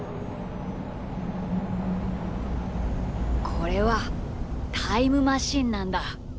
これはタイムマシンなんだ。